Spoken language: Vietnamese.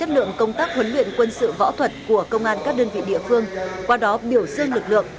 chất lượng công tác huấn luyện quân sự võ thuật của công an các đơn vị địa phương qua đó biểu dương lực lượng